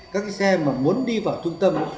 các cái xe mà muốn đi vào trung tâm